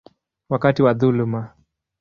wakati wa dhuluma.